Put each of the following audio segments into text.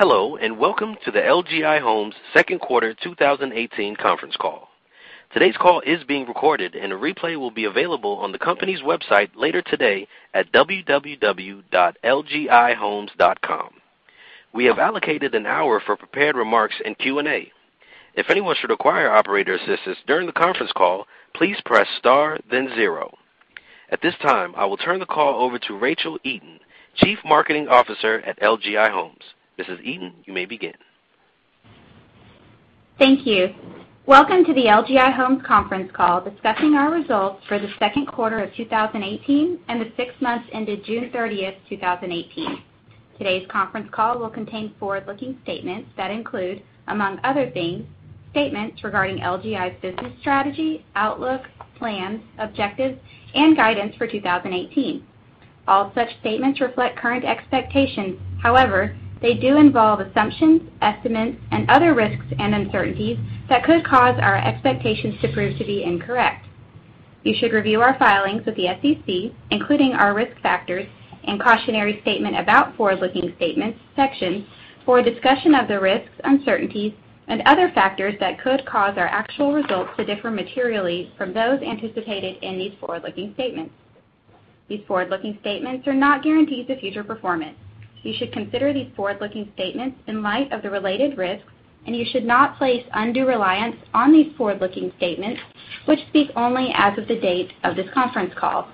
Hello, welcome to the LGI Homes second quarter 2018 conference call. Today's call is being recorded, and a replay will be available on the company's website later today at lgihomes.com. We have allocated an hour for prepared remarks and Q&A. If anyone should require operator assistance during the conference call, please press star then zero. At this time, I will turn the call over to Rachel Eaton, Chief Marketing Officer at LGI Homes. Mrs. Eaton, you may begin. Thank you. Welcome to the LGI Homes conference call discussing our results for the second quarter of 2018 and the six months ended June 30th, 2018. Today's conference call will contain forward-looking statements that include, among other things, statements regarding LGI's business strategy, outlook, plans, objectives, and guidance for 2018. All such statements reflect current expectations. They do involve assumptions, estimates, and other risks and uncertainties that could cause our expectations to prove to be incorrect. You should review our filings with the SEC, including our risk factors and cautionary statement about forward-looking statements sections for a discussion of the risks, uncertainties, and other factors that could cause our actual results to differ materially from those anticipated in these forward-looking statements. These forward-looking statements are not guarantees of future performance. You should consider these forward-looking statements in light of the related risks, you should not place undue reliance on these forward-looking statements, which speak only as of the date of this conference call.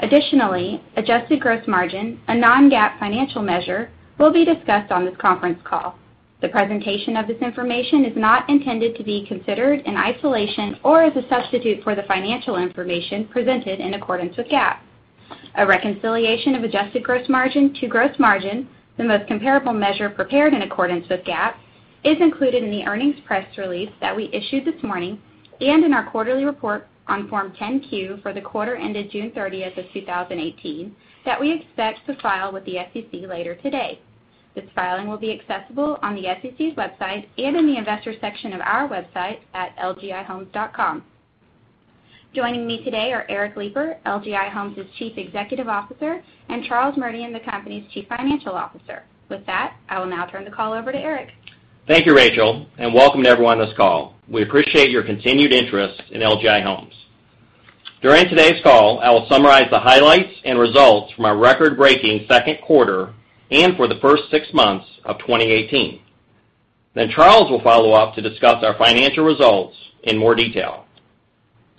Adjusted gross margin, a non-GAAP financial measure, will be discussed on this conference call. The presentation of this information is not intended to be considered in isolation or as a substitute for the financial information presented in accordance with GAAP. A reconciliation of adjusted gross margin to gross margin, the most comparable measure prepared in accordance with GAAP, is included in the earnings press release that we issued this morning and in our quarterly report on Form 10-Q for the quarter ended June 30th of 2018 that we expect to file with the SEC later today. This filing will be accessible on the SEC's website and in the investor section of our website at lgihomes.com. Joining me today are Eric Lipar, LGI Homes' Chief Executive Officer, and Charles Merdian, the company's Chief Financial Officer. I will now turn the call over to Eric. Thank you, Rachel, and welcome to everyone on this call. We appreciate your continued interest in LGI Homes. During today's call, I will summarize the highlights and results from our record-breaking second quarter and for the first six months of 2018. Charles will follow up to discuss our financial results in more detail.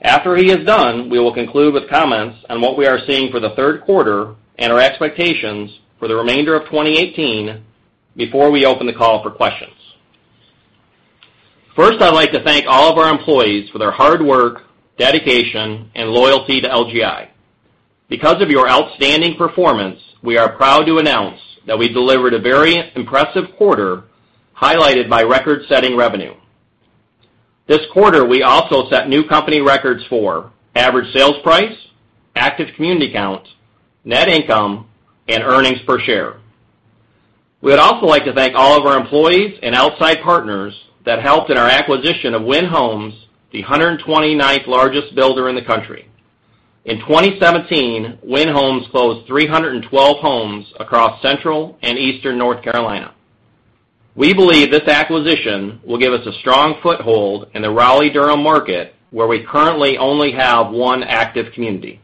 After he is done, we will conclude with comments on what we are seeing for the third quarter and our expectations for the remainder of 2018 before we open the call for questions. First, I'd like to thank all of our employees for their hard work, dedication, and loyalty to LGI. Because of your outstanding performance, we are proud to announce that we delivered a very impressive quarter, highlighted by record-setting revenue. This quarter, we also set new company records for average sales price, active community count, net income, and earnings per share. We would also like to thank all of our employees and outside partners that helped in our acquisition of Wynn Homes, the 129th largest builder in the country. In 2017, Wynn Homes closed 312 homes across Central and Eastern North Carolina. We believe this acquisition will give us a strong foothold in the Raleigh-Durham market, where we currently only have one active community.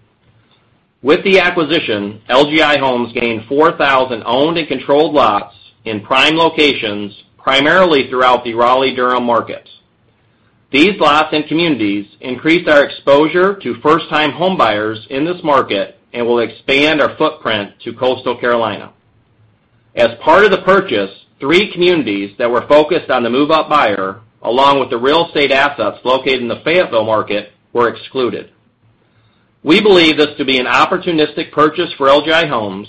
With the acquisition, LGI Homes gained 4,000 owned and controlled lots in prime locations, primarily throughout the Raleigh-Durham market. These lots and communities increase our exposure to first-time homebuyers in this market and will expand our footprint to Coastal Carolina. As part of the purchase, three communities that were focused on the move-up buyer, along with the real estate assets located in the Fayetteville market, were excluded. We believe this to be an opportunistic purchase for LGI Homes,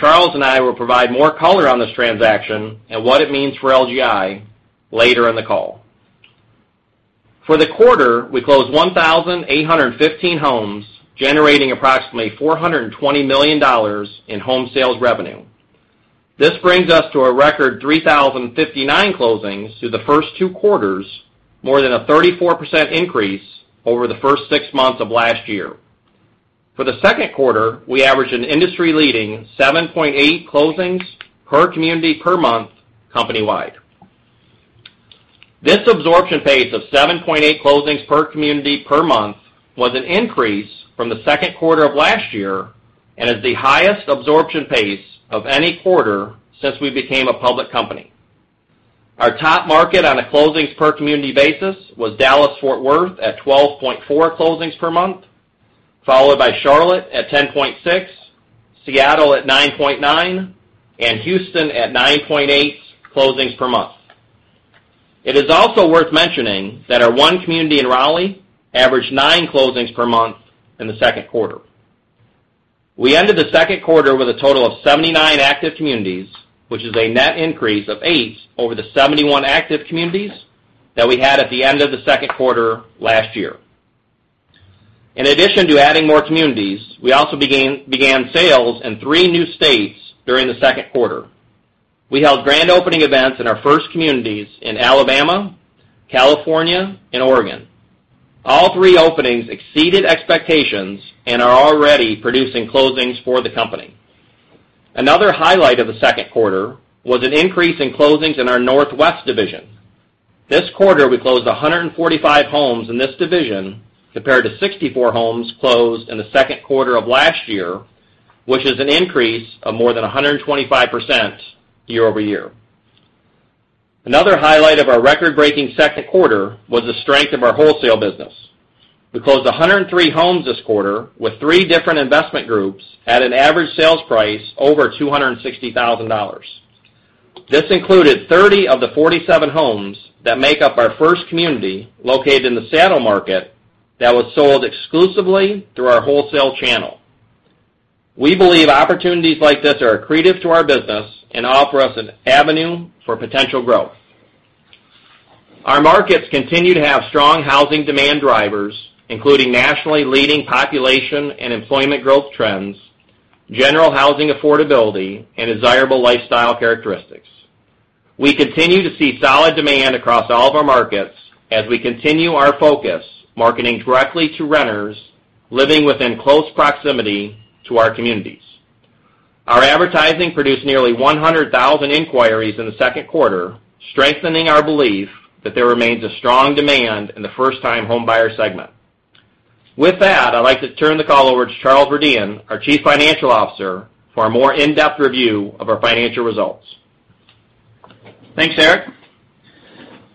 Charles and I will provide more color on this transaction and what it means for LGI later in the call. For the quarter, we closed 1,815 homes, generating approximately $420 million in home sales revenue. This brings us to a record 3,059 closings through the first two quarters, more than a 34% increase over the first six months of last year. For the second quarter, we averaged an industry-leading 7.8 closings per community per month company-wide. This absorption pace of 7.8 closings per community per month was an increase from the second quarter of last year and is the highest absorption pace of any quarter since we became a public company. Our top market on a closings per community basis was Dallas-Fort Worth at 12.4 closings per month, followed by Charlotte at 10.6, Seattle at 9.9, and Houston at 9.8 closings per month. It is also worth mentioning that our one community in Raleigh averaged nine closings per month in the second quarter. We ended the second quarter with a total of 79 active communities, which is a net increase of eight over the 71 active communities that we had at the end of the second quarter last year. In addition to adding more communities, we also began sales in three new states during the second quarter. We held grand opening events in our first communities in Alabama, California, and Oregon. All three openings exceeded expectations and are already producing closings for the company. Another highlight of the second quarter was an increase in closings in our Northwest division. This quarter, we closed 145 homes in this division compared to 64 homes closed in the second quarter of last year, which is an increase of more than 125% year-over-year. Another highlight of our record-breaking second quarter was the strength of our wholesale business. We closed 103 homes this quarter with three different investment groups at an average sales price over $260,000. This included 30 of the 47 homes that make up our first community, located in the Seattle market, that was sold exclusively through our wholesale channel. We believe opportunities like this are accretive to our business and offer us an avenue for potential growth. Our markets continue to have strong housing demand drivers, including nationally leading population and employment growth trends, general housing affordability, and desirable lifestyle characteristics. We continue to see solid demand across all of our markets as we continue our focus marketing directly to renters living within close proximity to our communities. Our advertising produced nearly 100,000 inquiries in the second quarter, strengthening our belief that there remains a strong demand in the first-time homebuyer segment. With that, I'd like to turn the call over to Charles Merdian, our Chief Financial Officer, for a more in-depth review of our financial results. Thanks, Eric.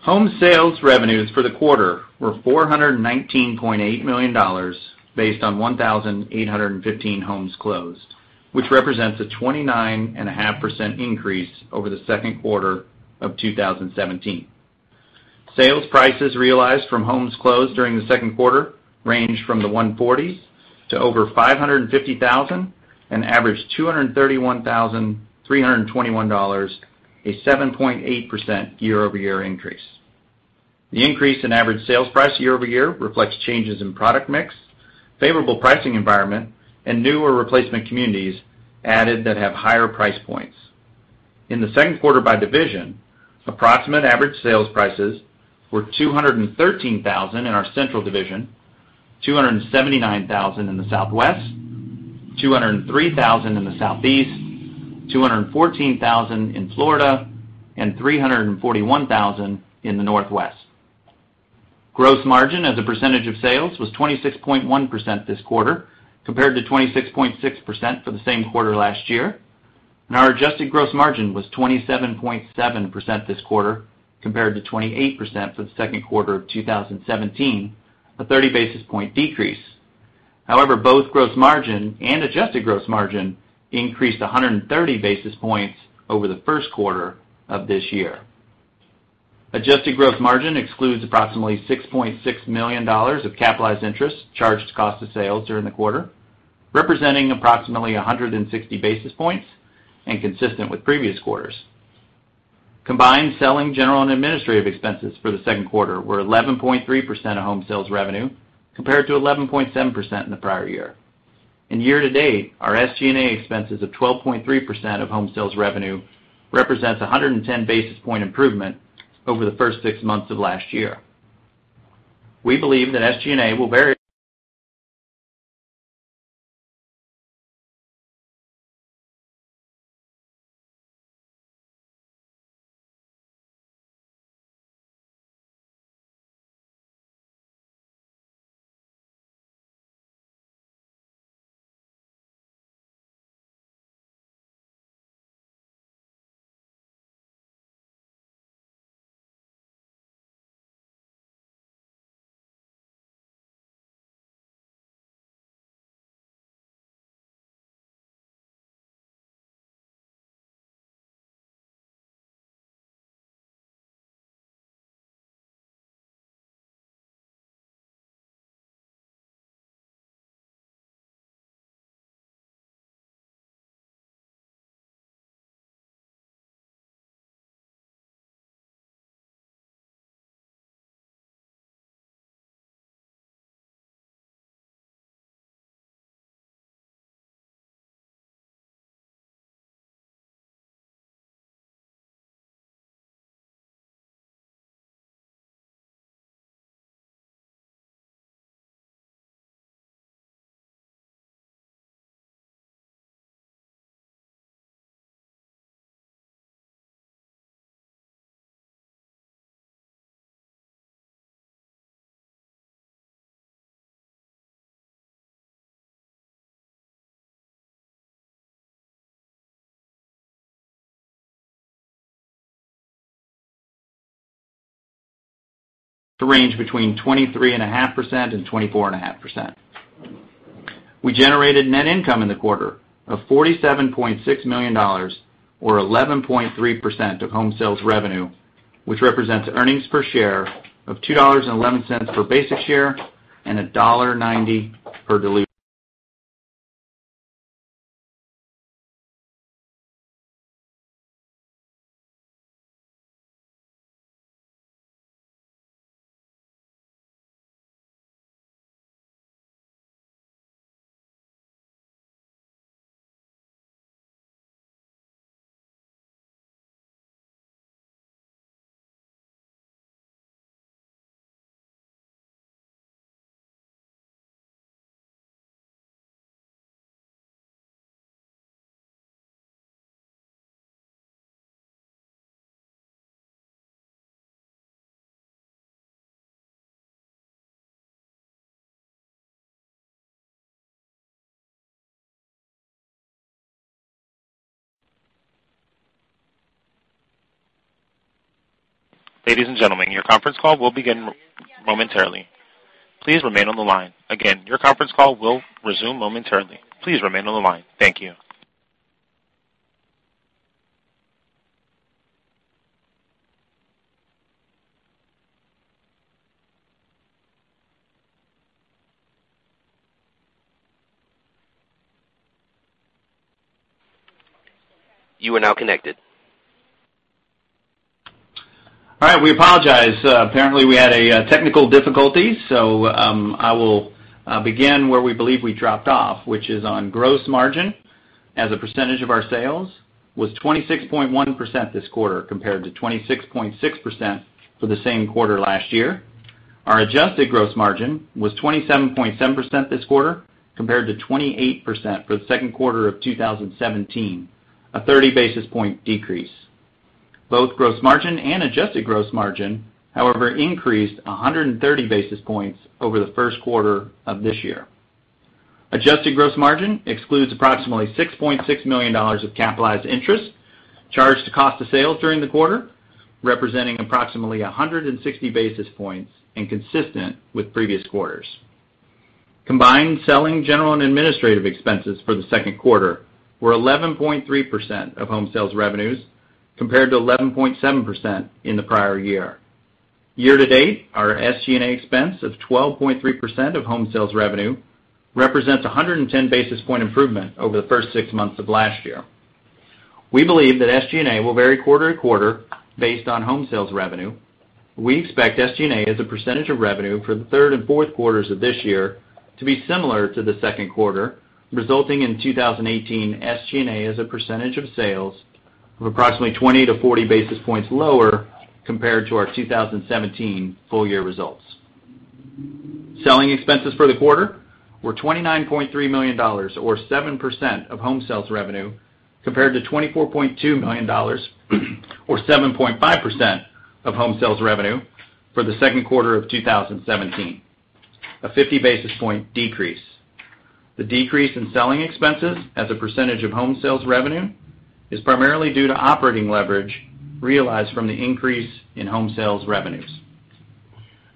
Home sales revenues for the quarter were $419.8 million based on 1,815 homes closed, which represents a 29.5% increase over the second quarter of 2017. Sales prices realized from homes closed during the second quarter ranged from the 140s to over $550,000, and averaged $231,321, a 7.8% year-over-year increase. The increase in average sales price year-over-year reflects changes in product mix, favorable pricing environment, and newer replacement communities added that have higher price points. In the second quarter by division, approximate average sales prices were $213,000 in our Central division, $279,000 in the Southwest, $203,000 in the Southeast, $214,000 in Florida, and $341,000 in the Northwest. Gross margin as a percentage of sales was 26.1% this quarter, compared to 26.6% for the same quarter last year. Our adjusted gross margin was 27.7% this quarter, compared to 28% for the second quarter of 2017, a 30-basis-point decrease. However, both gross margin and adjusted gross margin increased 130 basis points over the first quarter of this year. Adjusted gross margin excludes approximately $6.6 million of capitalized interest charged to cost of sales during the quarter, representing approximately 160 basis points and consistent with previous quarters. Combined selling general and administrative expenses for the second quarter were 11.3% of home sales revenue, compared to 11.7% in the prior year. Year-to-date, our SG&A expenses of 12.3% of home sales revenue represents 110 basis points improvement over the first six months of last year. We believe that SG&A will vary. [inaudible] We generated net income in the quarter of $47.6 million, or 11.3% of home sales revenue, which represents earnings per share of $2.11 per basic share and a $1.90 per diluted Ladies and gentlemen, your conference call will begin momentarily. Please remain on the line. Again, your conference call will resume momentarily. Please remain on the line. Thank you. You are now connected. All right. We apologize. Apparently, we had a technical difficulty. I will begin where we believe we dropped off, which is on gross margin as a percentage of our sales, was 26.1% this quarter compared to 26.6% for the same quarter last year. Our adjusted gross margin was 27.7% this quarter, compared to 28% for the second quarter of 2017, a 30-basis-point decrease. Both gross margin and adjusted gross margin, however, increased 130 basis points over the first quarter of this year. Adjusted gross margin excludes approximately $6.6 million of capitalized interest charged to cost of sales during the quarter, representing approximately 160 basis points and consistent with previous quarters. Combined selling general and administrative expenses for the second quarter were 11.3% of home sales revenues, compared to 11.7% in the prior year. Year-to-date, our SG&A expense of 12.3% of home sales revenue represents 110 basis points improvement over the first six months of last year. We believe that SG&A will vary quarter-to-quarter based on home sales revenue. We expect SG&A as a percentage of revenue for the third and fourth quarters of this year to be similar to the second quarter, resulting in 2018 SG&A as a percentage of sales of approximately 20 to 40 basis points lower compared to our 2017 full-year results. Selling expenses for the quarter were $29.3 million or 7% of home sales revenue, compared to $24.2 million or 7.5% of home sales revenue for the second quarter of 2017, a 50-basis-point decrease. The decrease in selling expenses as a percentage of home sales revenue is primarily due to operating leverage realized from the increase in home sales revenues.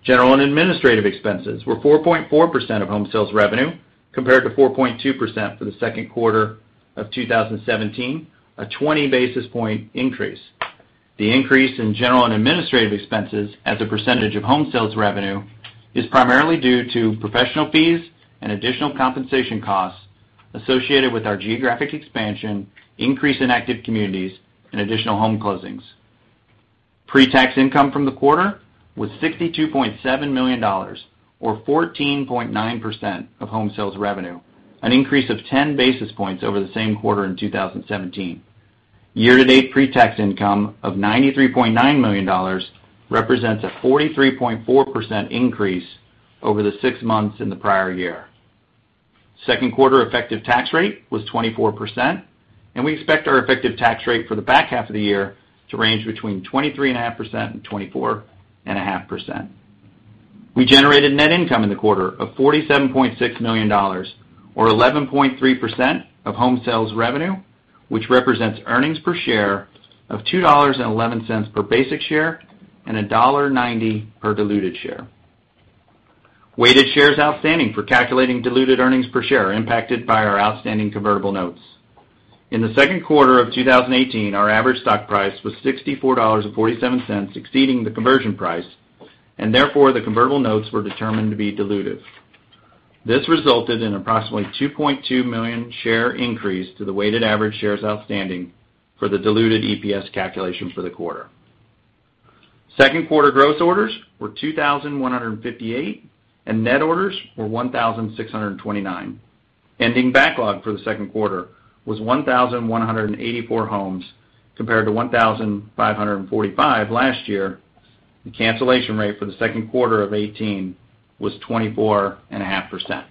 General and administrative expenses were 4.4% of home sales revenue, compared to 4.2% for the second quarter of 2017, a 20-basis-point increase. The increase in general and administrative expenses as a percentage of home sales revenue is primarily due to professional fees and additional compensation costs associated with our geographic expansion, increase in active communities, and additional home closings. Pre-tax income from the quarter was $62.7 million or 14.9% of home sales revenue, an increase of 10 basis points over the same quarter in 2017. Year-to-date pre-tax income of $93.9 million represents a 43.4% increase over the six months in the prior year. Second quarter effective tax rate was 24%, and we expect our effective tax rate for the back half of the year to range between 23.5% and 24.5%. We generated net income in the quarter of $47.6 million or 11.3% of home sales revenue, which represents earnings per share of $2.11 per basic share and $1.90 per diluted share. Weighted shares outstanding for calculating diluted earnings per share are impacted by our outstanding convertible notes. In the second quarter of 2018, our average stock price was $64.47, exceeding the conversion price, and therefore the convertible notes were determined to be dilutive. This resulted in approximately 2.2 million share increase to the weighted average shares outstanding for the diluted EPS calculation for the quarter. Second quarter gross orders were 2,158, net orders were 1,629. Ending backlog for the second quarter was 1,184 homes compared to 1,545 last year. The cancellation rate for the second quarter of 2018 was 24.5%.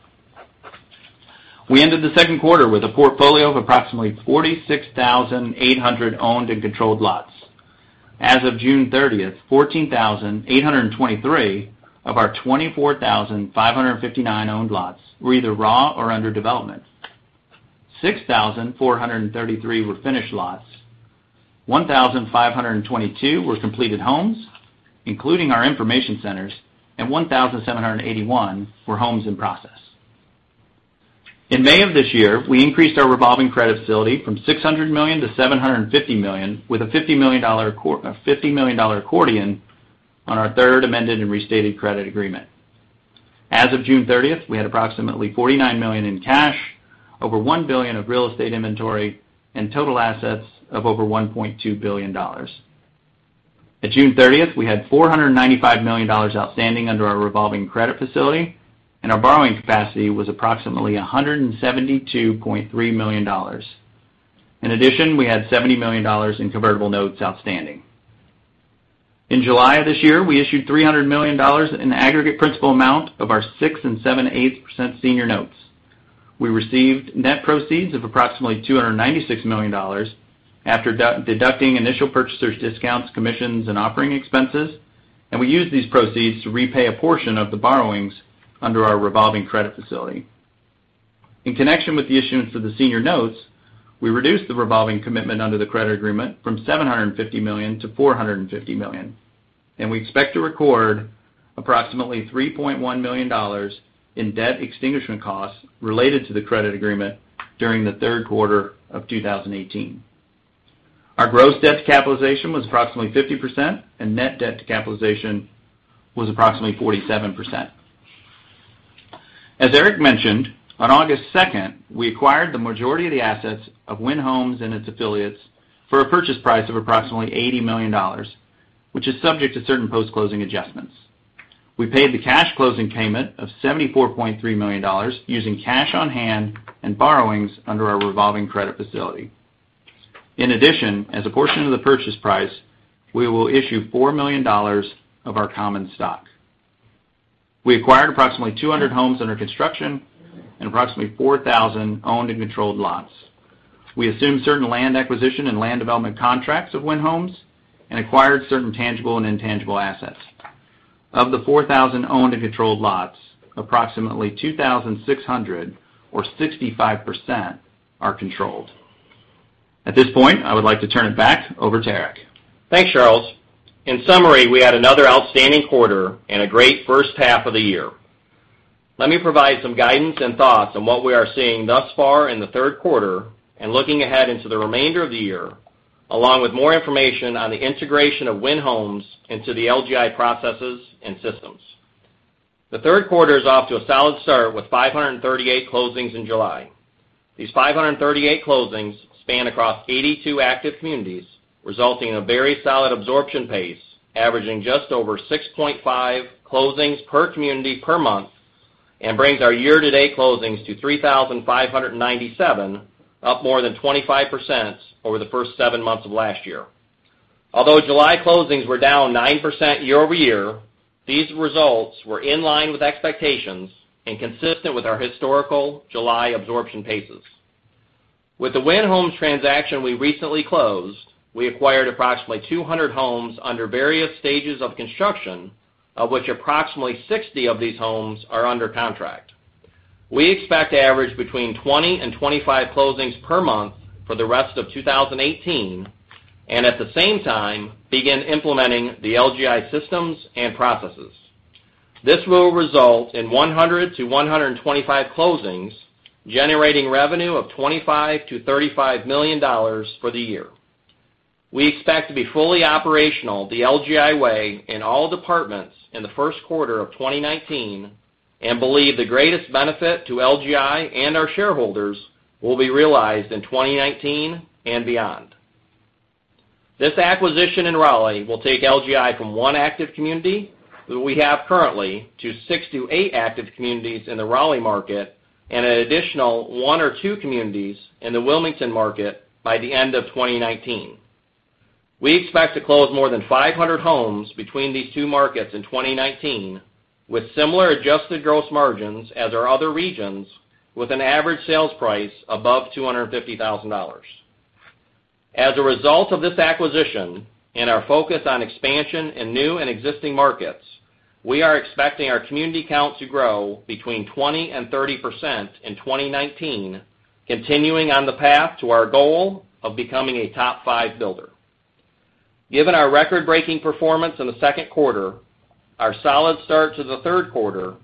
We ended the second quarter with a portfolio of approximately 46,800 owned and controlled lots. As of June 30th, 14,823 of our 24,559 owned lots were either raw or under development. 6,433 were finished lots, 1,522 were completed homes, including our information centers, and 1,781 were homes in process. In May of this year, we increased our revolving credit facility from $600 million to $750 million with a $50 million accordion on our third amended and restated credit agreement. As of June 30th, we had approximately $49 million in cash, over $1 billion of real estate inventory, and total assets of over $1.2 billion. At June 30th, we had $495 million outstanding under our revolving credit facility. Our borrowing capacity was approximately $172.3 million. In addition, we had $70 million in convertible notes outstanding. In July of this year, we issued $300 million in aggregate principal amount of our 6-7/8% senior notes. We received net proceeds of approximately $296 million after deducting initial purchasers discounts, commissions, and offering expenses, and we used these proceeds to repay a portion of the borrowings under our revolving credit facility. In connection with the issuance of the senior notes, we reduced the revolving commitment under the credit agreement from $750 million to $450 million, and we expect to record approximately $3.1 million in debt extinguishment costs related to the credit agreement during the third quarter of 2018. Our gross debt to capitalization was approximately 50%, and net debt to capitalization was approximately 47%. As Eric mentioned, on August 2nd, we acquired the majority of the assets of Wynn Homes and its affiliates for a purchase price of approximately $80 million, which is subject to certain post-closing adjustments. We paid the cash closing payment of $74.3 million using cash on hand and borrowings under our revolving credit facility. In addition, as a portion of the purchase price, we will issue $4 million of our common stock. We acquired approximately 200 homes under construction and approximately 4,000 owned and controlled lots. We assumed certain land acquisition and land development contracts of Wynn Homes and acquired certain tangible and intangible assets. Of the 4,000 owned and controlled lots, approximately 2,600, or 65%, are controlled. At this point, I would like to turn it back over to Eric. Thanks, Charles. In summary, we had another outstanding quarter and a great first half of the year. Let me provide some guidance and thoughts on what we are seeing thus far in the third quarter and looking ahead into the remainder of the year, along with more information on the integration of Wynn Homes into the LGI processes and systems. The third quarter is off to a solid start with 538 closings in July. These 538 closings span across 82 active communities, resulting in a very solid absorption pace, averaging just over 6.5 closings per community per month, and brings our year-to-date closings to 3,597, up more than 25% over the first seven months of last year. Although July closings were down 9% year-over-year, these results were in line with expectations and consistent with our historical July absorption paces. With the Wynn Homes transaction we recently closed, we acquired approximately 200 homes under various stages of construction, of which approximately 60 of these homes are under contract. We expect to average between 20 and 25 closings per month for the rest of 2018, and at the same time, begin implementing the LGI systems and processes. This will result in 100 to 125 closings, generating revenue of $25 million to $35 million for the year. We expect to be fully operational the LGI way in all departments in the first quarter of 2019 and believe the greatest benefit to LGI and our shareholders will be realized in 2019 and beyond. This acquisition in Raleigh will take LGI from one active community that we have currently to six to eight active communities in the Raleigh market and an additional one or two communities in the Wilmington market by the end of 2019. We expect to close more than 500 homes between these two markets in 2019 with similar adjusted gross margins as our other regions, with an average sales price above $250,000. As a result of this acquisition and our focus on expansion in new and existing markets, we are expecting our community count to grow between 20% and 30% in 2019, continuing on the path to our goal of becoming a top five builder. Given our record-breaking performance in the second quarter, our solid start to the third quarter,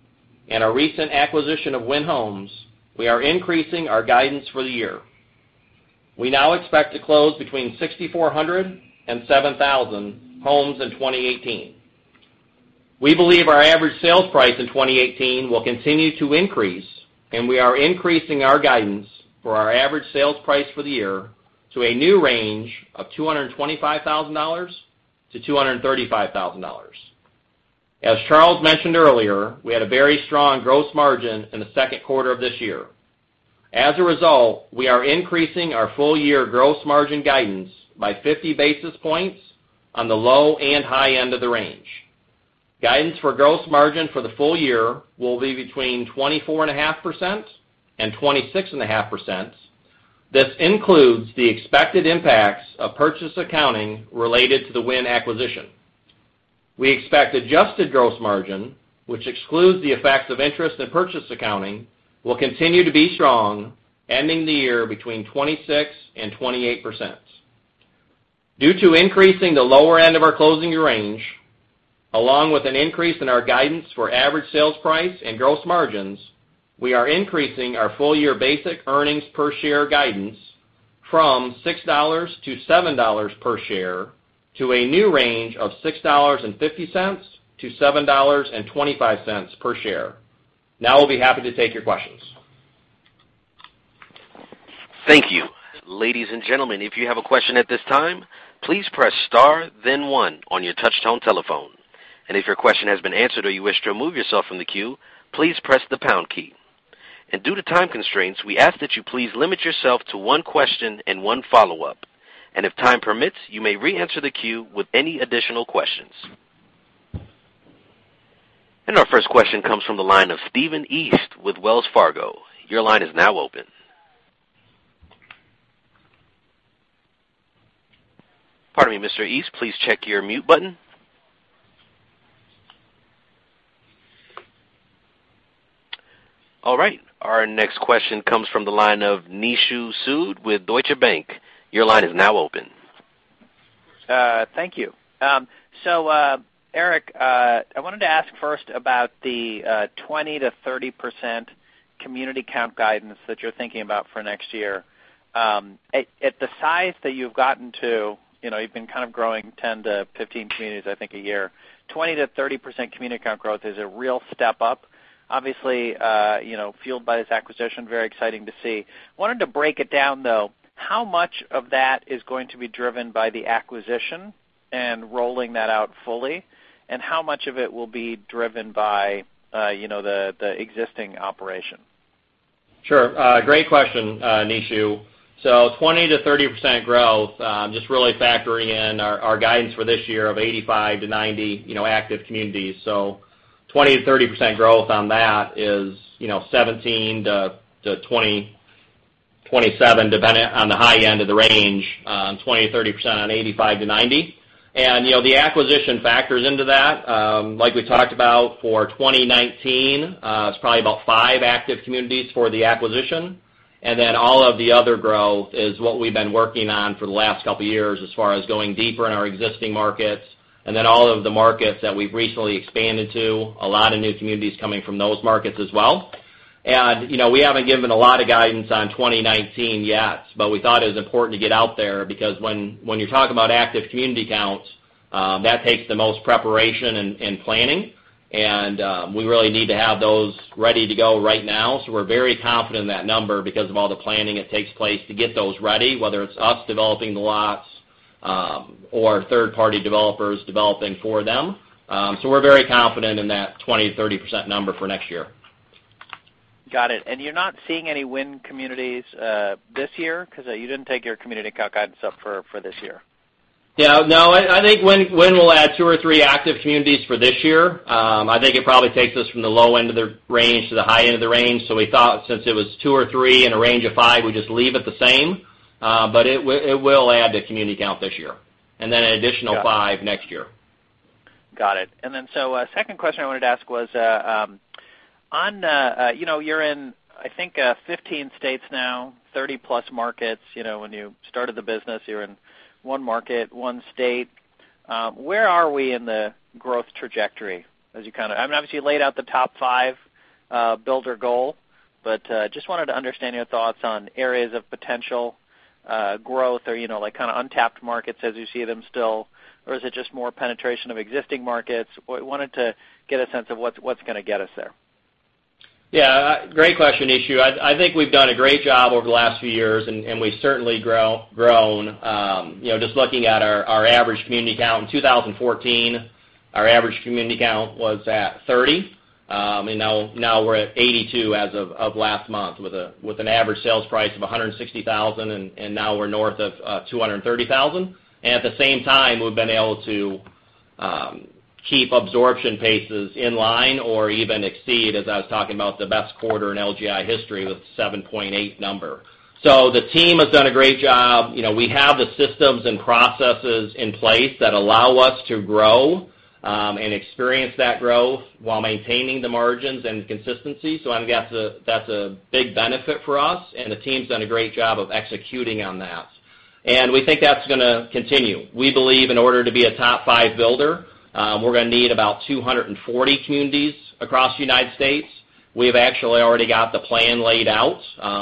and our recent acquisition of Wynn Homes, we are increasing our guidance for the year. We now expect to close between 6,400 and 7,000 homes in 2018. We believe our average sales price in 2018 will continue to increase, and we are increasing our guidance for our average sales price for the year to a new range of $225,000 to $235,000. As Charles mentioned earlier, we had a very strong gross margin in the second quarter of this year. As a result, we are increasing our full-year gross margin guidance by 50 basis points on the low and high end of the range. Guidance for gross margin for the full year will be between 24.5% and 26.5%. This includes the expected impacts of purchase accounting related to the Wynn acquisition. We expect adjusted gross margin, which excludes the effects of interest and purchase accounting, will continue to be strong, ending the year between 26% and 28%. Due to increasing the lower end of our closing range, along with an increase in our guidance for average sales price and gross margins, we are increasing our full-year basic earnings per share guidance from $6 to $7 per share to a new range of $6.50 to $7.25 per share. Now we'll be happy to take your questions Thank you. Ladies and gentlemen, if you have a question at this time, please press star then one on your touch-tone telephone. If your question has been answered or you wish to remove yourself from the queue, please press the pound key. Due to time constraints, we ask that you please limit yourself to one question and one follow-up. If time permits, you may reenter the queue with any additional questions. Our first question comes from the line of Stephen East with Wells Fargo. Your line is now open. Pardon me, Mr. East, please check your mute button. All right. Our next question comes from the line of Nishu Sood with Deutsche Bank. Your line is now open. Thank you. Eric, I wanted to ask first about the 20%-30% community count guidance that you're thinking about for next year. At the size that you've gotten to, you've been kind of growing 10-15 communities, I think, a year. 20%-30% community count growth is a real step up. Obviously, fueled by this acquisition, very exciting to see. Wanted to break it down, though. How much of that is going to be driven by the acquisition and rolling that out fully, and how much of it will be driven by the existing operation? Sure. Great question, Nishu. 20%-30% growth, just really factoring in our guidance for this year of 85-90 active communities. 20%-30% growth on that is 17-27, depending on the high end of the range, 20%, 30% on 85-90. The acquisition factors into that, like we talked about for 2019, it's probably about five active communities for the acquisition. All of the other growth is what we've been working on for the last couple of years, as far as going deeper in our existing markets. All of the markets that we've recently expanded to, a lot of new communities coming from those markets as well. We haven't given a lot of guidance on 2019 yet, but we thought it was important to get out there, because when you're talking about active community counts, that takes the most preparation and planning. We really need to have those ready to go right now. We're very confident in that number because of all the planning it takes place to get those ready, whether it's us developing the lots, or third-party developers developing for them. We're very confident in that 20%-30% number for next year. Got it. You're not seeing any Wynn communities this year because you didn't take your community count guidance up for this year? No, I think Wynn will add two or three active communities for this year. I think it probably takes us from the low end of the range to the high end of the range. We thought since it was two or three in a range of five, we'd just leave it the same. It will add to community count this year, and then an additional five next year. Got it. Second question I wanted to ask was, you're in, I think, 15 states now, 30 plus markets. When you started the business, you were in one market, one state. Where are we in the growth trajectory as you kind of Obviously, you laid out the top five builder goal, but just wanted to understand your thoughts on areas of potential growth or untapped markets as you see them still. Is it just more penetration of existing markets? Wanted to get a sense of what's going to get us there. Great question, Nishu. I think we've done a great job over the last few years, and we've certainly grown. Looking at our average community count, 2014, our average community count was at 30. Now we're at 82 as of last month with an average sales price of $160,000, and now we're north of $230,000. At the same time, we've been able to keep absorption paces in line or even exceed, as I was talking about, the best quarter in LGI history with the 7.8 number. The team has done a great job. We have the systems and processes in place that allow us to grow and experience that growth while maintaining the margins and consistency. That's a big benefit for us, and the team's done a great job of executing on that. We think that's going to continue. We believe in order to be a top five builder, we're going to need about 240 communities across the U.S. We've actually already got the plan laid out.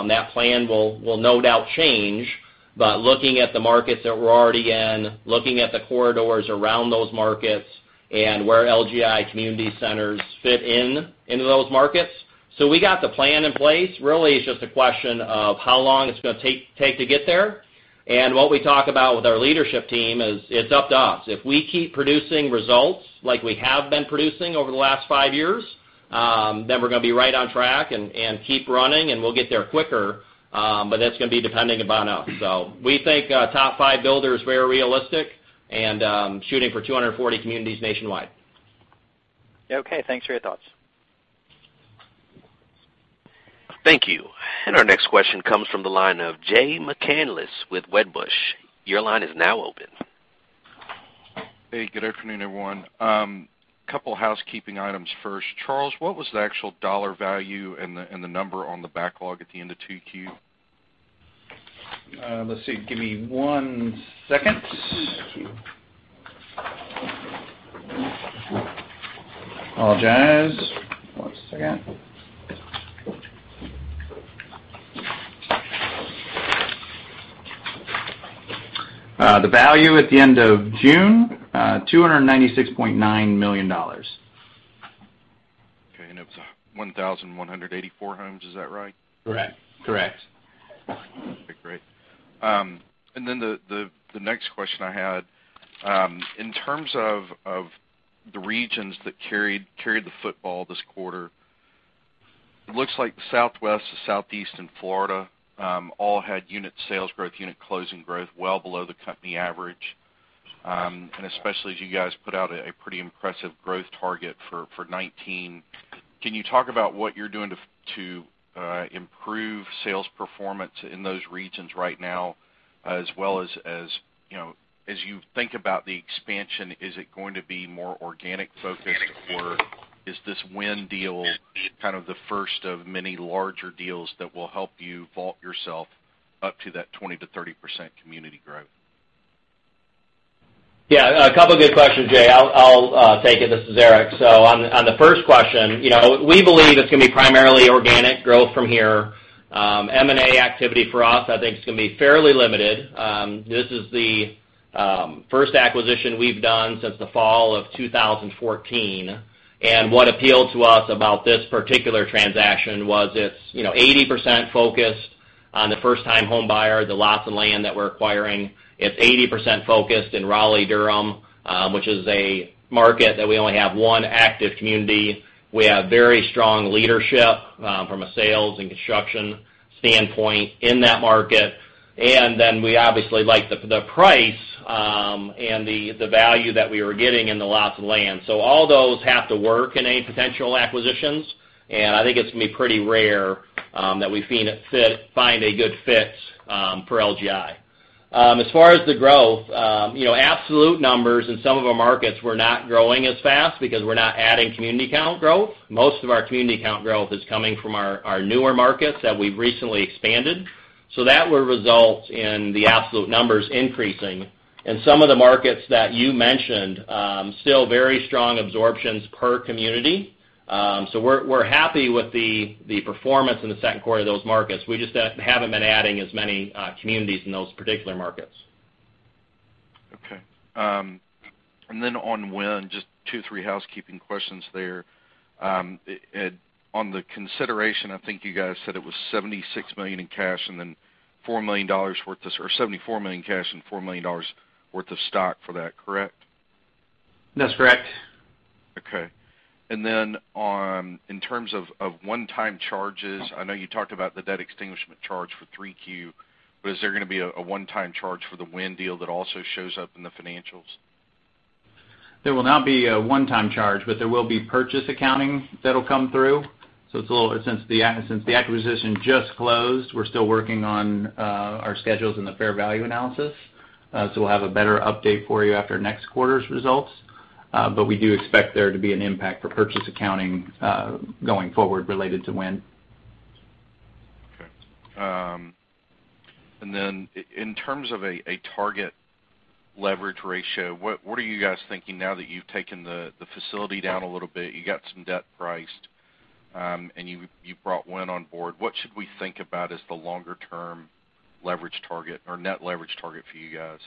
That plan will no doubt change, but looking at the markets that we're already in, looking at the corridors around those markets, and where LGI Community centers fit in into those markets. We got the plan in place. Really, it's just a question of how long it's going to take to get there. What we talk about with our leadership team is it's up to us. If we keep producing results like we have been producing over the last five years, then we're going to be right on track and keep running, and we'll get there quicker. That's going to be depending upon us. We think top five builder is very realistic and shooting for 240 communities nationwide. Okay, thanks for your thoughts. Thank you. Our next question comes from the line of Jay McCanless with Wedbush. Your line is now open. Hey, good afternoon, everyone. Couple housekeeping items first. Charles, what was the actual dollar value and the number on the backlog at the end of 2Q? Let's see. Give me one second. Thank you. Apologize. One second. The value at the end of June, $296.9 million. 1,184 homes, is that right? Correct. Okay, great. The next question I had, in terms of the regions that carried the football this quarter, it looks like the Southwest, the Southeast, and Florida all had unit sales growth, unit closing growth well below the company average. Especially as you guys put out a pretty impressive growth target for 2019, can you talk about what you're doing to improve sales performance in those regions right now, as well as you think about the expansion, is it going to be more organic focused, or is this Wynn deal kind of the first of many larger deals that will help you vault yourself up to that 20%-30% community growth? Yeah. A couple of good questions, Jay. I'll take it. This is Eric. On the first question, we believe it's going to be primarily organic growth from here. M&A activity for us, I think, is going to be fairly limited. This is the first acquisition we've done since the fall of 2014, what appealed to us about this particular transaction was it's 80% focused on the first-time home buyer, the lots of land that we're acquiring. It's 80% focused in Raleigh-Durham, which is a market that we only have one active community. We have very strong leadership from a sales and construction standpoint in that market. We obviously like the price and the value that we were getting in the lots of land. All those have to work in any potential acquisitions, and I think it's going to be pretty rare that we find a good fit for LGI. As far as the growth, absolute numbers in some of our markets were not growing as fast because we're not adding community count growth. Most of our community count growth is coming from our newer markets that we've recently expanded. That will result in the absolute numbers increasing. In some of the markets that you mentioned, still very strong absorptions per community. We're happy with the performance in the second quarter of those markets. We just haven't been adding as many communities in those particular markets. Okay. On Wynn, just two, three housekeeping questions there. On the consideration, I think you guys said it was $74 million cash and $4 million worth of stock for that, correct? That's correct. Okay. In terms of one-time charges, I know you talked about the debt extinguishment charge for 3Q, but is there going to be a one-time charge for the Wynn deal that also shows up in the financials? There will not be a one-time charge, but there will be purchase accounting that'll come through. Since the acquisition just closed, we're still working on our schedules and the fair value analysis. We'll have a better update for you after next quarter's results. We do expect there to be an impact for purchase accounting, going forward, related to Wynn. Okay. Then, in terms of a target leverage ratio, what are you guys thinking now that you've taken the facility down a little bit, you got some debt priced, and you brought Wynn on board. What should we think about as the longer-term leverage target or net leverage target for you guys?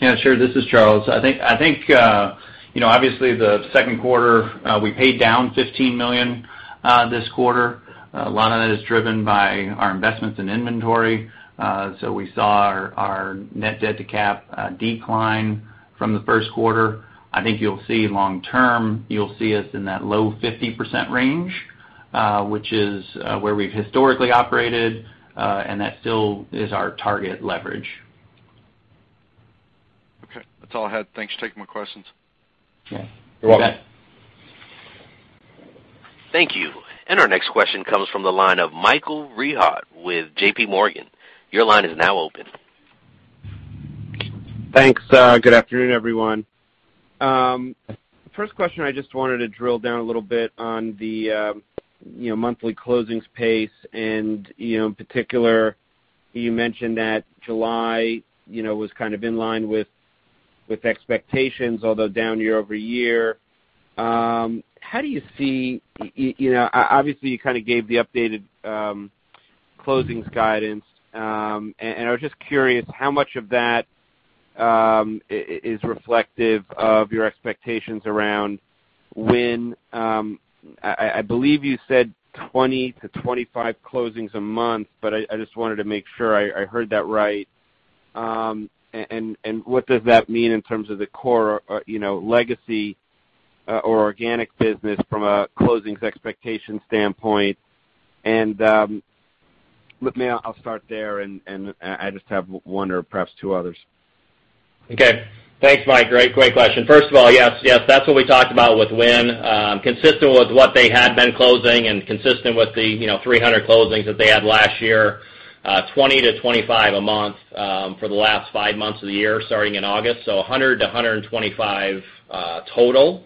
Yeah, sure. This is Charles. I think, obviously, the second quarter, we paid down $15 million this quarter. A lot of that is driven by our investments in inventory. We saw our net debt to cap decline from the first quarter. I think you'll see long term, you'll see us in that low 50% range, which is where we've historically operated, that still is our target leverage. Okay. That's all I had. Thanks for taking my questions. You're welcome. Thank you. Our next question comes from the line of Michael Rehaut with JP Morgan. Your line is now open. Thanks. Good afternoon, everyone. First question, I just wanted to drill down a little bit on the monthly closings pace, in particular, you mentioned that July was kind of in line with expectations, although down year-over-year. Obviously, you kind of gave the updated closings guidance, I was just curious how much of that is reflective of your expectations around Wynn, I believe you said 20-25 closings a month, but I just wanted to make sure I heard that right. What does that mean in terms of the core legacy or organic business from a closings expectation standpoint? I'll start there, I just have one or perhaps two others. Okay. Thanks, Mike. Great question. First of all, yes, that's what we talked about with Wynn. Consistent with what they had been closing and consistent with the 300 closings that they had last year, 20-25 a month for the last five months of the year, starting in August. 100-125 total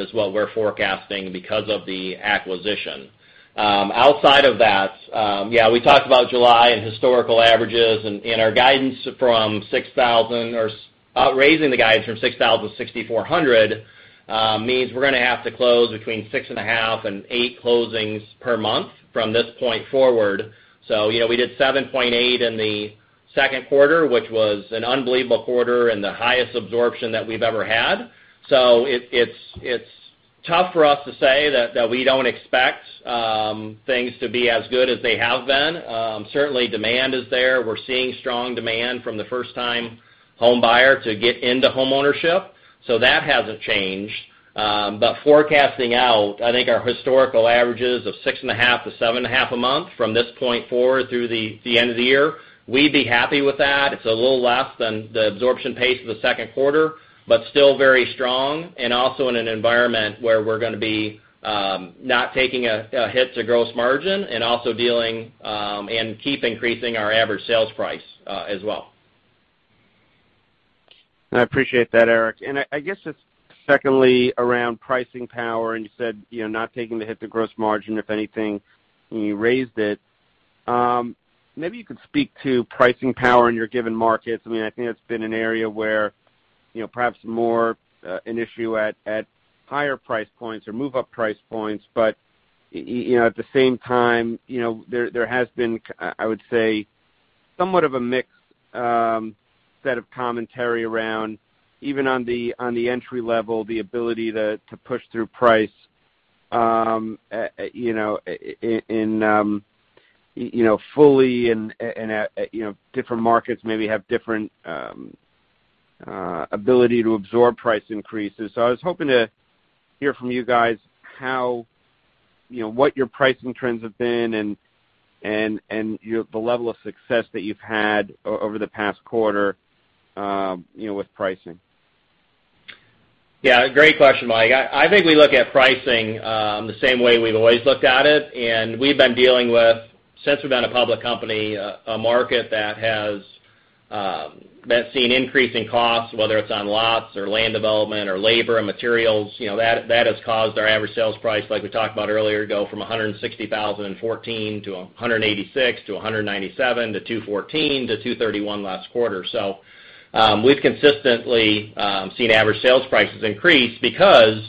is what we're forecasting because of the acquisition. Outside of that, yeah, we talked about July and historical averages, raising the guidance from 6,000-6,400 means we're going to have to close between 6.5 and 8 closings per month from this point forward. We did 7.8 in the second quarter, which was an unbelievable quarter and the highest absorption that we've ever had. It's tough for us to say that we don't expect things to be as good as they have been. Certainly, demand is there. We're seeing strong demand from the first-time home buyer to get into homeownership. That hasn't changed. Forecasting out, I think our historical averages of 6.5-7.5 a month from this point forward through the end of the year, we'd be happy with that. It's a little less than the absorption pace of the second quarter, still very strong, and also in an environment where we're going to be not taking a hit to gross margin and also keep increasing our average sales price, as well. I appreciate that, Eric. I guess just secondly, around pricing power, you said not taking the hit to gross margin, if anything, you raised it. Maybe you could speak to pricing power in your given markets. I think that's been an area where perhaps more an issue at higher price points or move-up price points, at the same time, there has been, I would say, somewhat of a mixed set of commentary around, even on the entry level, the ability to push through price, fully and different markets maybe have different ability to absorb price increases. I was hoping to hear from you guys what your pricing trends have been and the level of success that you've had over the past quarter with pricing. Yeah, great question, Mike. I think we look at pricing the same way we've always looked at it, we've been dealing with, since we've been a public company, a market that has seen increasing costs, whether it's on lots or land development or labor and materials. That has caused our average sales price, like we talked about earlier, go from $160,000 in 2014 to $186 to $197 to $214 to $231 last quarter. We've consistently seen average sales prices increase because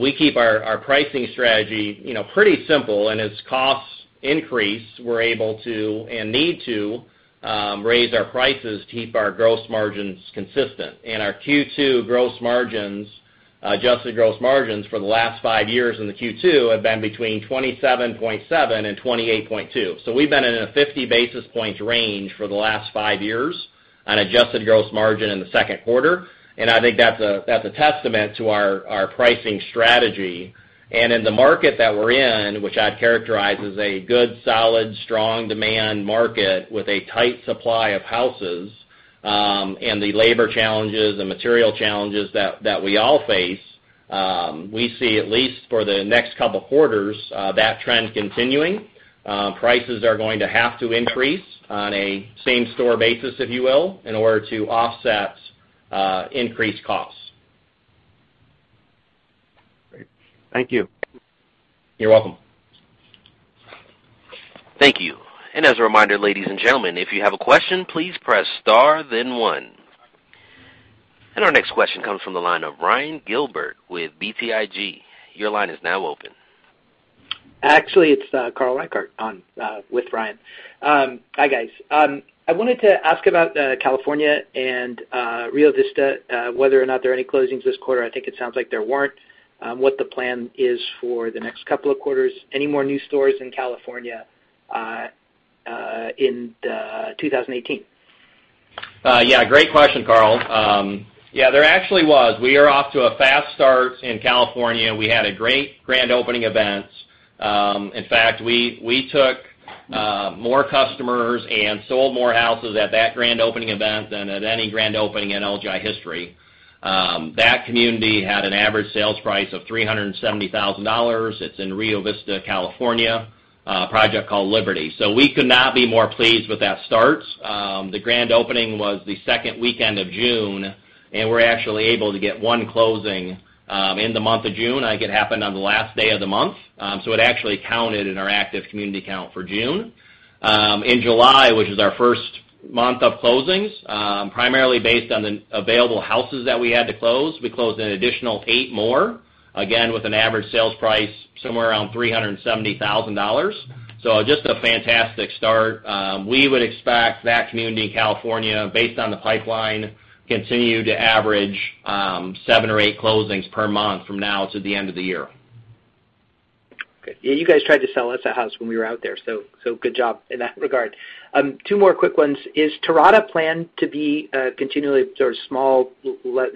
we keep our pricing strategy pretty simple. As costs increase, we're able to, and need to, raise our prices to keep our gross margins consistent. Our Q2 adjusted gross margins for the last five years in the Q2 have been between 27.7% and 28.2%. We've been in a 50 basis points range for the last five years on adjusted gross margin in the second quarter, I think that's a testament to our pricing strategy. In the market that we're in, which I'd characterize as a good, solid, strong demand market with a tight supply of houses and the labor challenges and material challenges that we all face, we see at least for the next couple of quarters, that trend continuing. Prices are going to have to increase on a same-store basis, if you will, in order to offset increased costs. Great. Thank you. You're welcome. Thank you. As a reminder, ladies and gentlemen, if you have a question, please press star then one. Our next question comes from the line of Ryan Gilbert with BTIG. Your line is now open. Actually, it's Carl Reichardt on with Ryan. Hi, guys. I wanted to ask about California and Rio Vista, whether or not there are any closings this quarter. I think it sounds like there weren't. What the plan is for the next couple of quarters. Any more new stores in California in 2018? Yeah, great question, Carl. Yeah, there actually was. We are off to a fast start in California. We had a great grand opening event. In fact, we took more customers and sold more houses at that grand opening event than at any grand opening in LGI history. That community had an average sales price of $370,000. It's in Rio Vista, California, a project called Liberty. We could not be more pleased with that start. The grand opening was the second weekend of June, and we were actually able to get one closing in the month of June. It happened on the last day of the month. It actually counted in our active community count for June. In July, which is our first month of closings, primarily based on the available houses that we had to close, we closed an additional eight more, again, with an average sales price somewhere around $370,000. Just a fantastic start. We would expect that community in California, based on the pipeline, continue to average seven or eight closings per month from now to the end of the year. Okay. Yeah, you guys tried to sell us a house when we were out there, so good job in that regard. Two more quick ones. Is Terrata planned to be continually sort of small, 5%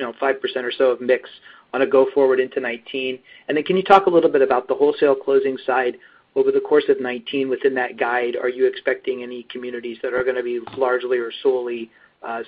or so of mix on a go forward into 2019? Can you talk a little bit about the wholesale closing side over the course of 2019 within that guide? Are you expecting any communities that are going to be largely or solely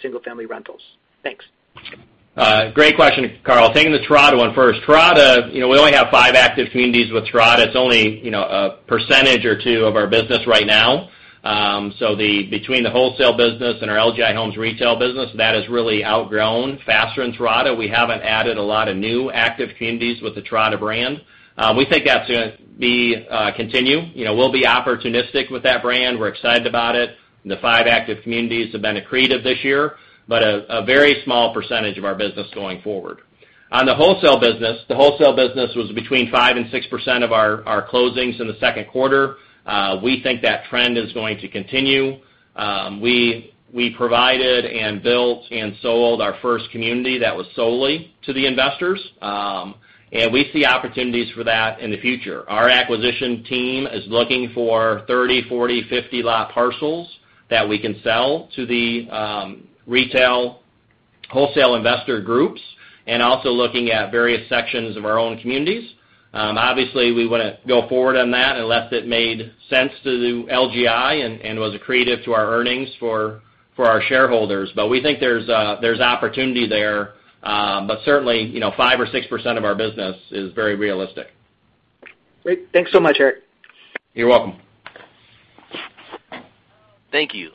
single-family rentals? Thanks. Great question, Carl. Taking the Terrata one first. Terrata, we only have five active communities with Terrata. It's only a percentage or two of our business right now. Between the wholesale business and our LGI Homes retail business, that has really outgrown faster than Terrata. We haven't added a lot of new active communities with the Terrata brand. We think that's going to continue. We'll be opportunistic with that brand. We're excited about it. The five active communities have been accretive this year, but a very small percentage of our business going forward. On the wholesale business, the wholesale business was between 5% and 6% of our closings in the second quarter. We think that trend is going to continue. We provided and built and sold our first community that was solely to the investors, and we see opportunities for that in the future. Our acquisition team is looking for 30, 40, 50 lot parcels that we can sell to the retail wholesale investor groups, and also looking at various sections of our own communities. Obviously, we wouldn't go forward on that unless it made sense to do LGI and was accretive to our earnings for our shareholders. We think there's opportunity there. Certainly, 5 or 6% of our business is very realistic. Great. Thanks so much, Eric. You're welcome. Thank you.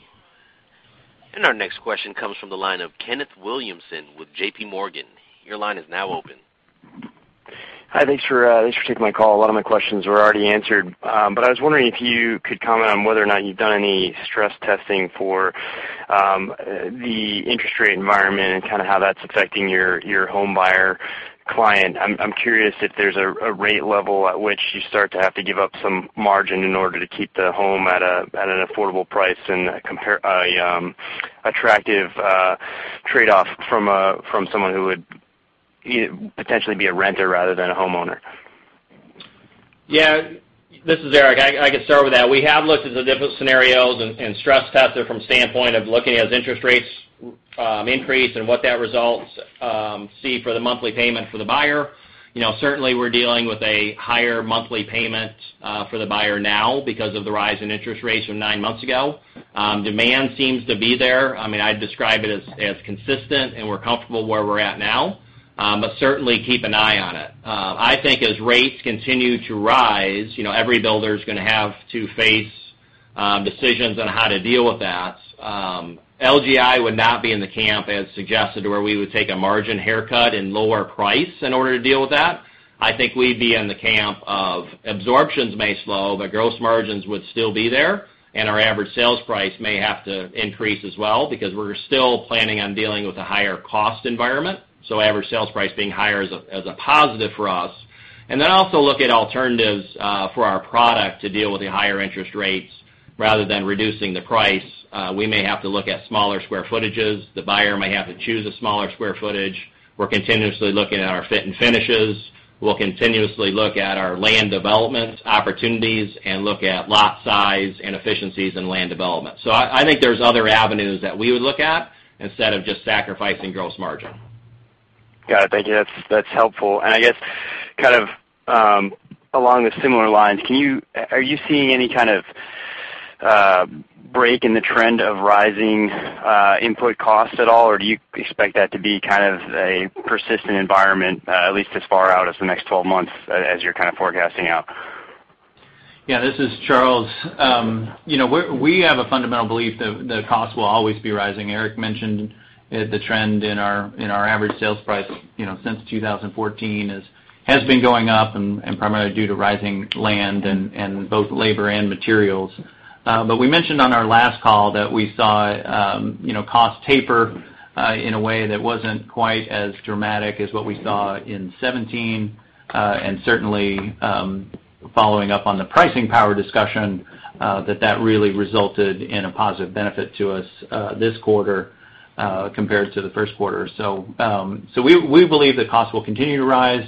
Our next question comes from the line of Kenneth Zener with JP Morgan. Your line is now open. Hi, thanks for taking my call. A lot of my questions were already answered. I was wondering if you could comment on whether or not you've done any stress testing for the interest rate environment and how that's affecting your homebuyer client. I'm curious if there's a rate level at which you start to have to give up some margin in order to keep the home at an affordable price and compare a attractive trade-off from someone who would potentially be a renter rather than a homeowner. Yeah. This is Eric. I can start with that. We have looked at the different scenarios and stress tested from standpoint of looking as interest rates increase and what that results see for the monthly payment for the buyer. Certainly, we're dealing with a higher monthly payment for the buyer now because of the rise in interest rates from nine months ago. Demand seems to be there. I'd describe it as consistent, and we're comfortable where we're at now. Certainly keep an eye on it. I think as rates continue to rise, every builder is going to have to face decisions on how to deal with that. LGI would not be in the camp as suggested where we would take a margin haircut and lower price in order to deal with that. I think we'd be in the camp of absorptions may slow, but gross margins would still be there, and our average sales price may have to increase as well, because we're still planning on dealing with a higher cost environment. Average sales price being higher is a positive for us. Also look at alternatives for our product to deal with the higher interest rates rather than reducing the price. We may have to look at smaller square footages. The buyer may have to choose a smaller square footage. We're continuously looking at our fit and finishes. We'll continuously look at our land development opportunities and look at lot size and efficiencies in land development. I think there's other avenues that we would look at instead of just sacrificing gross margin. Got it. Thank you. That's helpful. I guess, along the similar lines, are you seeing any kind of break in the trend of rising input costs at all? Do you expect that to be a persistent environment, at least as far out as the next 12 months as you're forecasting out? Yeah, this is Charles. We have a fundamental belief that costs will always be rising. Eric mentioned the trend in our average sales price since 2014 has been going up and primarily due to rising land and both labor and materials. We mentioned on our last call that we saw cost taper in a way that wasn't quite as dramatic as what we saw in 2017. Certainly, following up on the pricing power discussion, that really resulted in a positive benefit to us this quarter compared to the first quarter. We believe that costs will continue to rise.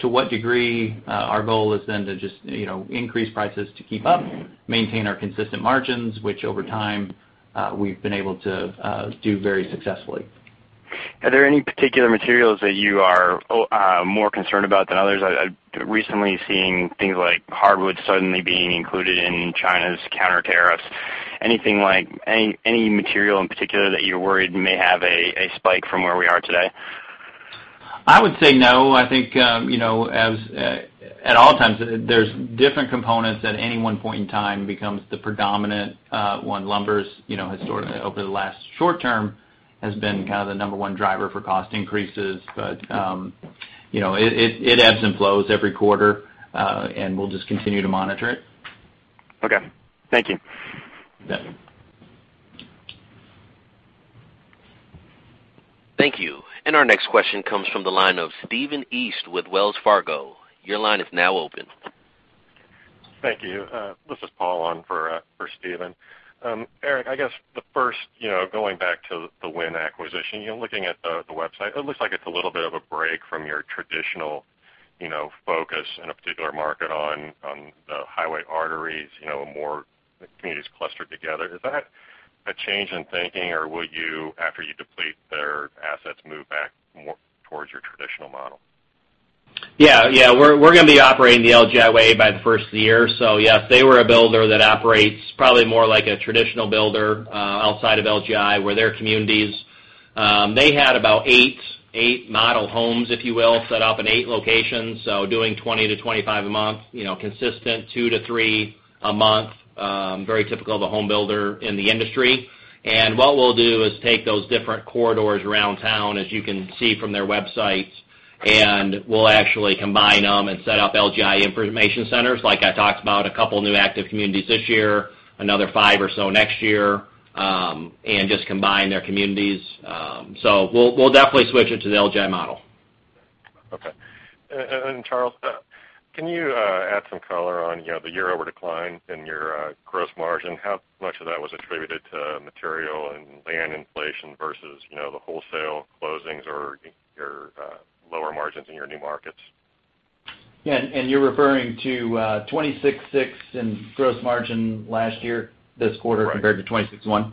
To what degree? Our goal is to just increase prices to keep up, maintain our consistent margins, which over time, we've been able to do very successfully. Are there any particular materials that you are more concerned about than others? I've recently seen things like hardwood suddenly being included in China's counter-tariffs. Any material in particular that you're worried may have a spike from where we are today? I would say no. I think, at all times, there's different components at any one point in time becomes the predominant one. Lumbers, historically, over the last short term, has been kind of the number 1 driver for cost increases. It ebbs and flows every quarter, and we'll just continue to monitor it. Okay. Thank you. You bet. Thank you. Our next question comes from the line of Stephen East with Wells Fargo. Your line is now open. Thank you. This is Paul on for Stephen. Eric, going back to the Wynn acquisition, looking at the website, it looks like it's a little bit of a break from your traditional focus in a particular market on the highway arteries, more the communities clustered together. Is that a change in thinking or will you, after you deplete their assets, move back more towards your traditional model? Yeah. We're going to be operating the LGI way by the first of the year. Yes, they were a builder that operates probably more like a traditional builder outside of LGI, where their communities, they had about eight model homes, if you will, set up in eight locations, doing 20-25 a month, consistent 2-3 a month. Very typical of a home builder in the industry. What we'll do is take those different corridors around town, as you can see from their websites, and we'll actually combine them and set up LGI information centers. Like I talked about, a couple new active communities this year, another five or so next year, and just combine their communities. We'll definitely switch it to the LGI model. Okay. Charles, can you add some color on the year-over decline in your gross margin? How much of that was attributed to material and land inflation versus the wholesale closings or your lower margins in your new markets? Yeah, you're referring to 26.6 in gross margin last year, this quarter compared to 26.1?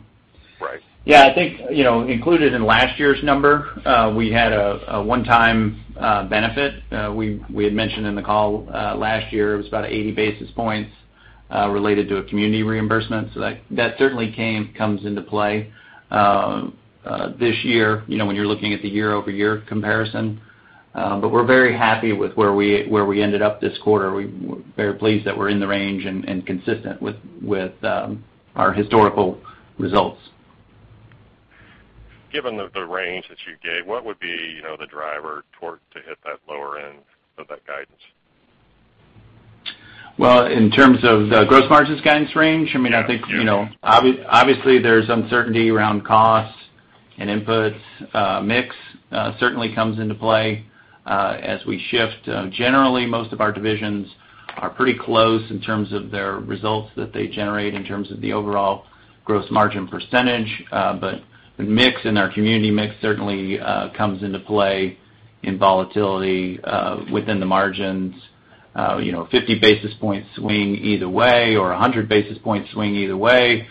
Right. Yeah, I think, included in last year's number, we had a one-time benefit. We had mentioned in the call last year, it was about 80 basis points related to a community reimbursement. That certainly comes into play this year, when you're looking at the year-over-year comparison. We're very happy with where we ended up this quarter. We're very pleased that we're in the range and consistent with our historical results. Given the range that you gave, what would be the driver to hit that lower end of that guidance? Well, in terms of the gross margins guidance range, I think, obviously, there's uncertainty around costs and inputs. Mix certainly comes into play as we shift. Generally, most of our divisions are pretty close in terms of their results that they generate in terms of the overall gross margin percentage. The mix and our community mix certainly comes into play in volatility within the margins. 50 basis points swing either way, or 100 basis points swing either way,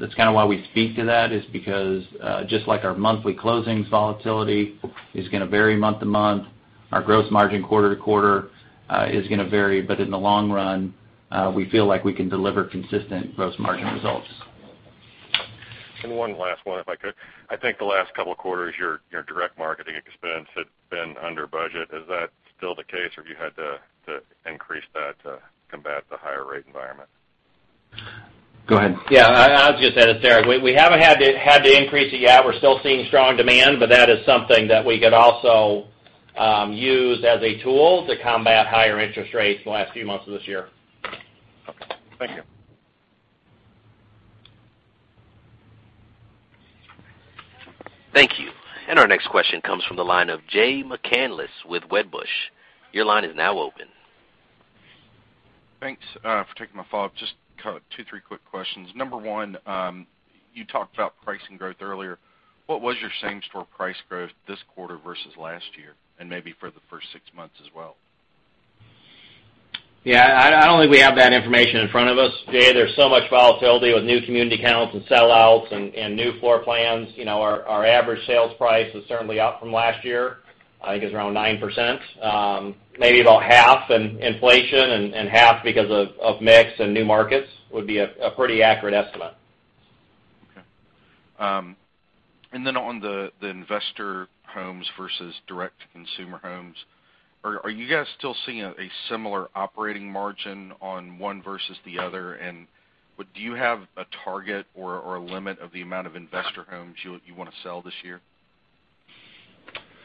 that's kind of why we speak to that, is because, just like our monthly closings volatility is going to vary month-to-month, our gross margin quarter-to-quarter is going to vary. In the long run, we feel like we can deliver consistent gross margin results. One last one, if I could. I think the last couple of quarters, your direct marketing expense had been under budget. Is that still the case, or have you had to increase that to combat the higher rate environment? Go ahead. Yeah, I'll just add it there. We haven't had to increase it yet. We're still seeing strong demand, that is something that we could also use as a tool to combat higher interest rates in the last few months of this year. Okay. Thank you. Thank you. Our next question comes from the line of Jay McCanless with Wedbush. Your line is now open. Thanks for taking my follow-up. Just two, three quick questions. Number one, you talked about pricing growth earlier. What was your same-store price growth this quarter versus last year, and maybe for the first six months as well? I don't think we have that information in front of us, Jay. There's so much volatility with new community counts and sellouts and new floor plans. Our average sales price is certainly up from last year. I think it's around 9%, maybe about half in inflation and half because of mix and new markets would be a pretty accurate estimate. Okay. Then on the investor homes versus direct-to-consumer homes, are you guys still seeing a similar operating margin on one versus the other? Do you have a target or a limit of the amount of investor homes you want to sell this year?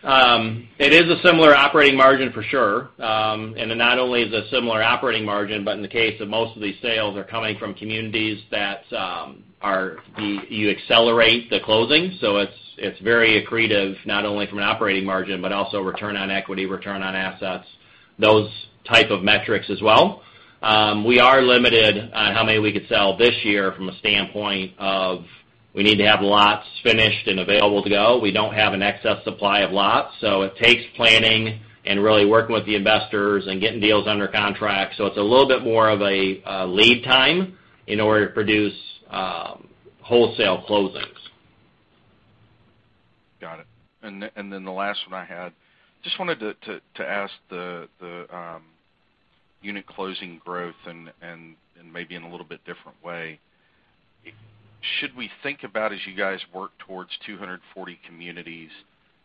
It is a similar operating margin for sure. Not only is it a similar operating margin, but in the case of most of these sales are coming from communities that you accelerate the closing. It's very accretive, not only from an operating margin, but also return on equity, return on assets, those type of metrics as well. We are limited on how many we could sell this year from a standpoint of we need to have lots finished and available to go. We don't have an excess supply of lots, it takes planning and really working with the investors and getting deals under contract. It's a little bit more of a lead time in order to produce wholesale closings. Got it. Then the last one I had, just wanted to ask the unit closing growth and maybe in a little bit different way. Should we think about as you guys work towards 240 communities,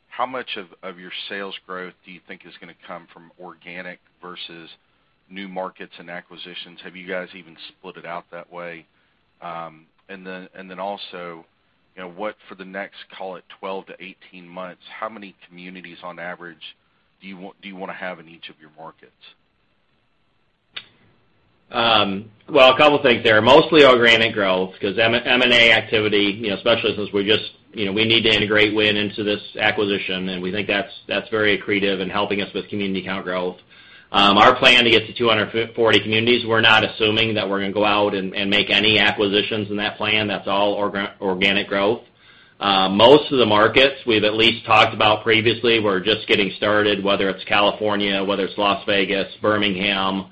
how much of your sales growth do you think is going to come from organic versus new markets and acquisitions? Have you guys even split it out that way? Then also, for the next, call it 12 to 18 months, how many communities on average do you want to have in each of your markets? Well, a couple of things there. Mostly organic growth because M&A activity, especially since we need to integrate Wynn into this acquisition, we think that's very accretive in helping us with community count growth. Our plan to get to 240 communities, we're not assuming that we're going to go out and make any acquisitions in that plan. That's all organic growth. Most of the markets we've at least talked about previously, we're just getting started, whether it's California, whether it's Las Vegas, Birmingham.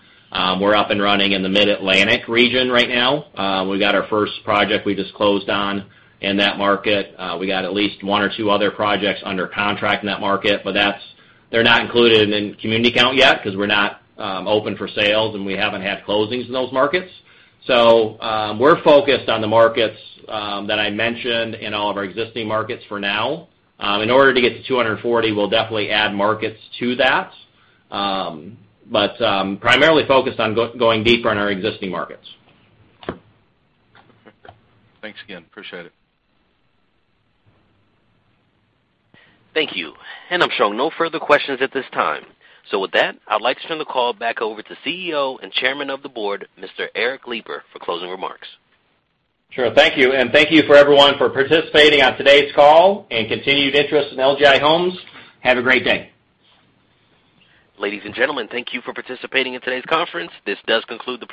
We're up and running in the Mid-Atlantic region right now. We got our first project we just closed on in that market. We got at least one or two other projects under contract in that market, but they're not included in community count yet because we're not open for sales, we haven't had closings in those markets. We're focused on the markets that I mentioned in all of our existing markets for now. In order to get to 240, we'll definitely add markets to that. Primarily focused on going deeper in our existing markets. Thanks again. Appreciate it. Thank you. I'm showing no further questions at this time. With that, I'd like to turn the call back over to CEO and Chairman of the Board, Mr. Eric Lipar, for closing remarks. Sure. Thank you, and thank you for everyone for participating on today's call and continued interest in LGI Homes. Have a great day. Ladies and gentlemen, thank you for participating in today's conference. This does conclude the program.